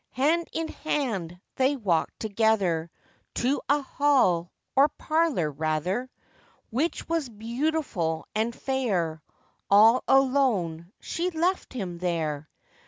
Hand in hand they walked together, To a hall, or parlour, rather, Which was beautiful and fair,— All alone she left him there.